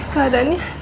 kau ada nih